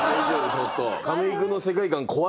ちょっと。